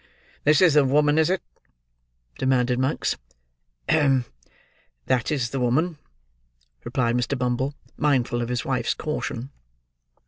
"This is the woman, is it?" demanded Monks. "Hem! That is the woman," replied Mr. Bumble, mindful of his wife's caution.